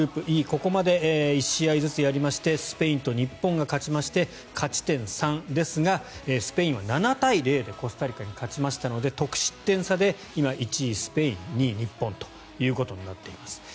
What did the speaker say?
ここまで１試合ずつやりましてスペインと日本が勝ちまして勝ち点３ですがスペインは７対０でコスタリカに勝ちましたので得失点差で今、１位スペイン２位日本となっています。